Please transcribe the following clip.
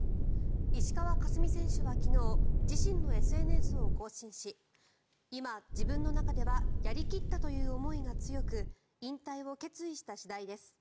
石川佳純選手は昨日自身のＳＮＳを更新し今、自分の中ではやり切ったという思いが強く引退を決意した次第です。